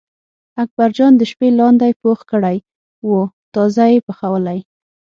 اکبرجان د شپې لاندی پوخ کړی و تازه یې پخولی.